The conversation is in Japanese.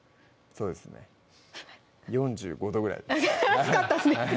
そうですね４５度ぐらい熱かったですね